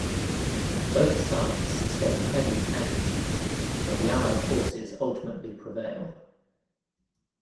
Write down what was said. Both sides sustain heavy casualties but the Allied forces ultimately prevail.